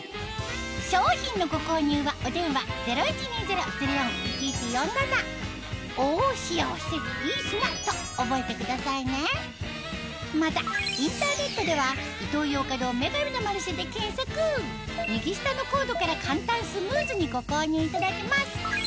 商品のご購入はお電話０１２０−０４−１１４７と覚えてくださいねまたインターネットでは右下のコードから簡単スムーズにご購入いただけます